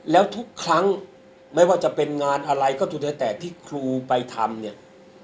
แล้วทุกครั้งไม่ว่าจะเป็นงานอะไรก็จุดใดแต่ที่ครูไปทำเนี่ย